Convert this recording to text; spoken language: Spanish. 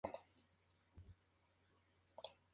Es el filial del Brose Bamberg.